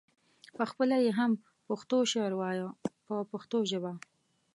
پخپله یې هم پښتو شعر وایه په پښتو ژبه.